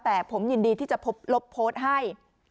แต่ผมยินดีที่จะลบโพสต์ให้